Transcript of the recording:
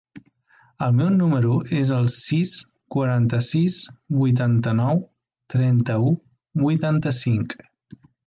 El meu número es el sis, quaranta-sis, vuitanta-nou, trenta-u, vuitanta-cinc.